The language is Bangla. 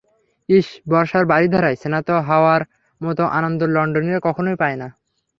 ইস, বর্ষার বারিধারায় স্নাত হওয়ার মতো আনন্দ লন্ডনিরা কখনোই পায় না।